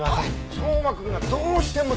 相馬くんがどうしてもって。